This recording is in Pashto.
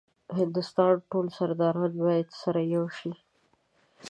هندوستان ټول سرداران باید سره یو شي.